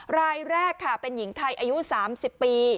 รายแรกค่ะเป็นหญิงไทยอายุ๓๐ปี